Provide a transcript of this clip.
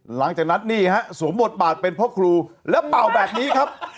หลังจากนั้นนี่ฮะสวมบทบาทเป็นพ่อครูแล้วเป่าแบบนี้ครับ